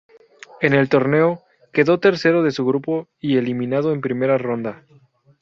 En el torneo quedó tercero de su grupo y eliminado en primera ronda.